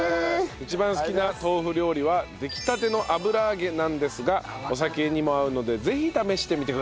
一番好きな豆腐料理は出来たての油揚げなんですがお酒にも合うのでぜひ試してみてくださいと。